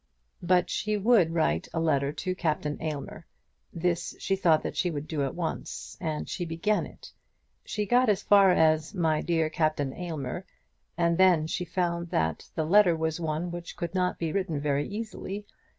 But she would write a letter to Captain Aylmer. This she thought that she would do at once, and she began it. She got as far as "My dear Captain Aylmer," and then she found that the letter was one which could not be written very easily.